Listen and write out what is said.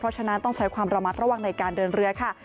เพราะฉะนั้นต้องใช้ความระมัดระวังในการเดินเรือค่ะ